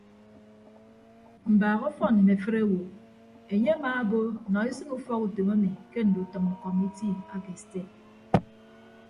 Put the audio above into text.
Mbaak ọfọn mme afịt owo enye amaabo nọ esịn ufọkutom emi ke ndutʌm kọmiti ake sted.